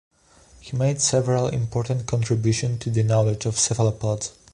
He made several important contribution to the knowledge of cephalopods.